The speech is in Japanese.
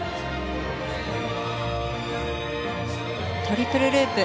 トリプルループ。